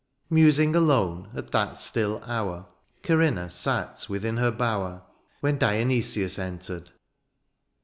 Musing alone, at that still hour, Corinna sate within her bower. When Dionysius entered.